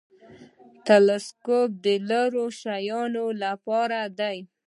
تلسکوپ د لیرې شیانو لپاره دی